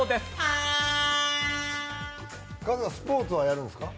春日、スポーツはやるんですか？